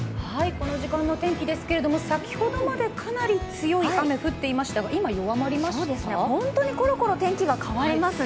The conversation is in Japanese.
この時間の天気ですけれども、先ほどまでかなり強い雨降っていましたが本当にコロコロ天気が変わりますね。